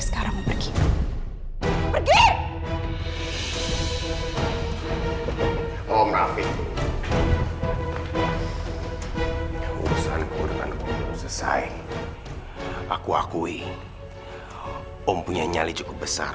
sekarang pergi pergi om rafi urusan ku dengan om belum selesai aku akui om punya nyali cukup besar